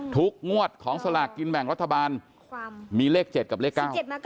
งวดของสลากกินแบ่งรัฐบาลมีเลข๗กับเลข๙